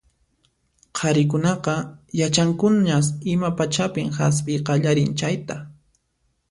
Qharikunaqa yachankuñas ima pachapin hasp'iy qallarin chayta.